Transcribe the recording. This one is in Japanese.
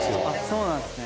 そうなんですね。